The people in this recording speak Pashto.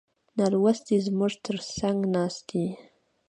نالوستي زموږ تر څنګ ناست دي.